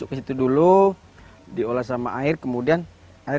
ini di sini